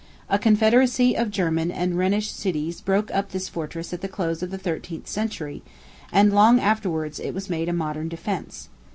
A confederacy of German and Rhenish cities broke up this fortress at the close of the thirteenth century, and long afterwards it was made a modern defence.